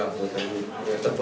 kupah membawanya berapa